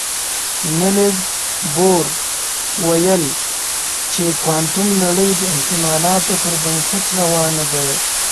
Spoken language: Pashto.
نيلز بور ویل چې کوانتم نړۍ د احتمالاتو پر بنسټ روانه ده.